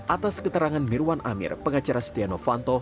atas keterangan mirwan amir pengacara setiano fanto